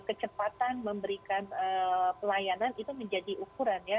kecepatan memberikan pelayanan itu menjadi ukuran ya